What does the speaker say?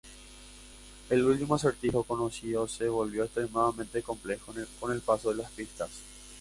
El último acertijo conocido se volvió extremadamente complejo con el paso de las pistas.